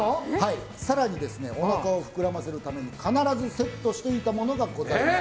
更におなかを膨らませるために必ずセットしていたものがございます。